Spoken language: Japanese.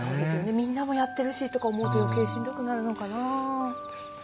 みんなもやってるしと思うとよけいしんどくなるのかな。